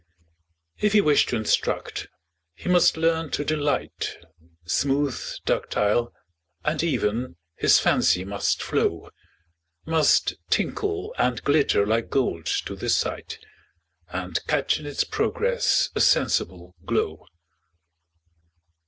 If he wish to instruct, he must learn to delight, Smooth, ductile, and even, his fancy must flow, Must tinkle and glitter like gold to the sight, And catch in its progress a sensible glow.